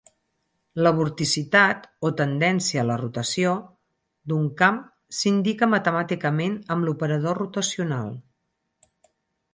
La vorticitat, o tendència a la rotació, d'un camp s'indica matemàticament amb l'operador rotacional.